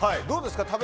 どうですか？